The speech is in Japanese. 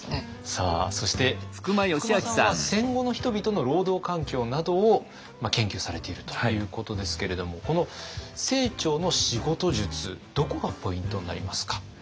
さあそして福間さんは戦後の人々の労働環境などを研究されているということですけれどもこの清張の仕事術どこがポイントになりますか？